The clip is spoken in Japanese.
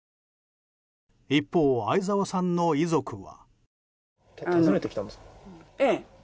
一方、相沢さんの遺族は。